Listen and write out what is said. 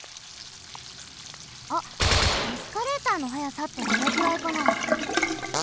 あっエスカレーターの速さってどれくらいかな？